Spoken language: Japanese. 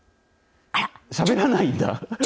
しゃべらないんだ。